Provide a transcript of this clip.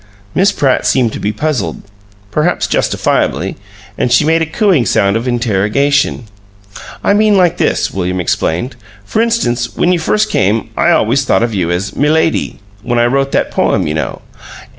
Miss Pratt seemed to be puzzled, perhaps justifiably, and she made a cooing sound of interrogation. "I mean like this," William explained. "F'rinstance, when you first came, I always thought of you as 'Milady' when I wrote that poem, you know."